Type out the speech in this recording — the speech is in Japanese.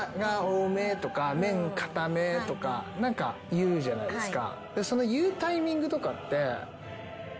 言うじゃないですか。